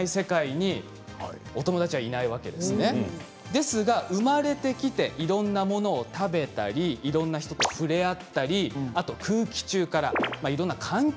ですが生まれてきていろんなものを食べたりいろんな人と触れ合ったりあと空気中からいろんな環境からですね